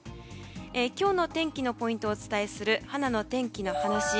今日の天気のポイントをお伝えするはなの天気のはなし。